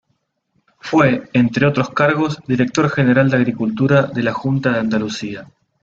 Fue, entre otros cargos, director general de agricultura de la Junta de Andalucía.